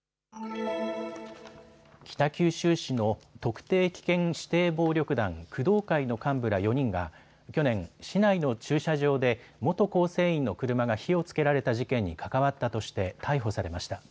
北九州市の特定危険指定暴力団工藤会の幹部ら４人が去年、市内の駐車場で元構成員の車が火をつけられた事件に関わったとして逮捕されました。